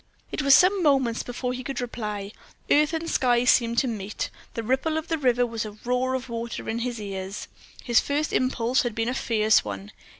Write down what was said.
It was some moments before he could reply. Earth and sky seemed to meet; the ripple of the river was as a roar of water in his ears. His first impulse had been a fierce one.